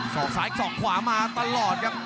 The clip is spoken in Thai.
อกซ้ายสอกขวามาตลอดครับ